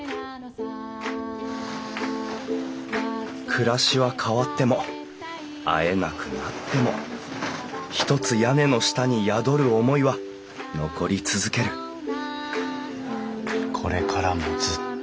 暮らしは変わっても会えなくなってもひとつ屋根の下に宿る思いは残り続けるこれからもずっと。